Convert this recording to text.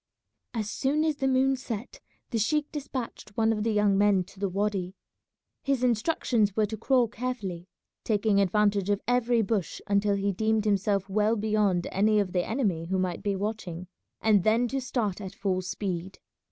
As soon as the moon set the sheik despatched one of the young men to the wady. His instructions were to crawl carefully, taking advantage of every bush until he deemed himself well beyond any of the enemy who might be watching, and then to start at full speed.